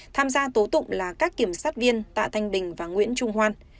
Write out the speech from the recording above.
tham gia tố tụng là các kiểm sát viên tạ thanh bình và nguyễn trung hoan